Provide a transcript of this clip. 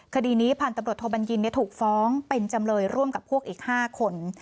คดีนี้พันธุ์ตำรวจโทบัญญินถูกฟ้องเป็นจำเลยร่วมกับพวกอีก๕คน